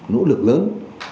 nỗ lực lớn